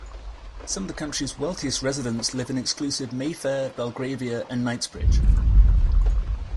Some of the country's wealthiest residents live in exclusive Mayfair, Belgravia and Knightsbridge.